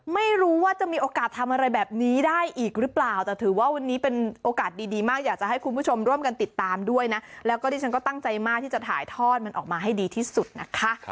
ไม่รู้ว่าจะมีโอกาสทำอะไรแบบนี้ได้อีกหรือเปล่าแต่ถือว่าวันนี้เป็นโอกาสดีมากอยากจะให้คุณผู้ชมร่วมกันติดตามด้วยนะแล้วก็ดิฉันก็ตั้งใจมากที่จะถ่ายทอดมันออกมาให้ดีที่สุดนะคะ